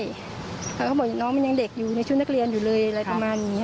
ไม่แบบนี้เนาะมันอย่างเด็กอื่นชุกนักเรียนอยู่เลยอะไรประมาณนี้